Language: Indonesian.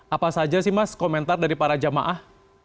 apa saja sih mas komentar dari para jamaah